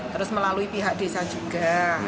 terus melalui pihak desa juga